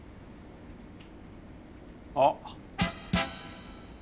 あっ！